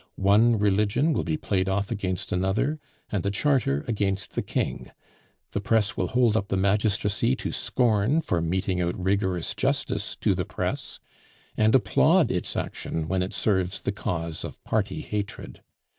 One religion will be played off against another, and the Charter against the King. The press will hold up the magistracy to scorn for meting out rigorous justice to the press, and applaud its action when it serves the cause of party hatred.